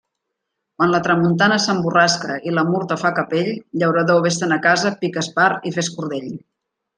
Quan la tramuntana s'emborrasca i la Murta fa capell, llaurador, vés-te'n a casa, pica espart i fes cordell.